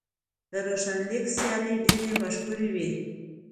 د روشن لیګ سیالۍ ډېرې مشهورې وې.